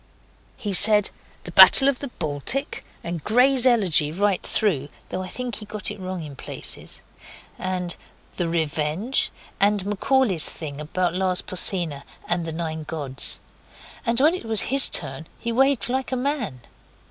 He said 'The Battle of the Baltic', and 'Gray's Elegy', right through, though I think he got wrong in places, and the 'Revenge', and Macaulay's thing about Lars Porsena and the Nine Gods. And when it was his turn he waved like a man.